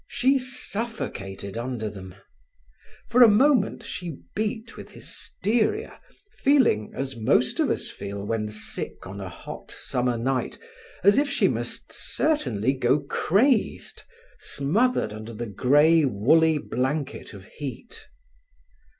She suffocated under them. For a moment she beat with hysteria, feeling, as most of us feel when sick on a hot summer night, as if she must certainly go crazed, smothered under the grey, woolly blanket of heat.